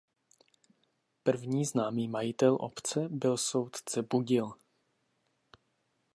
První známý majitel obce byl soudce Budil.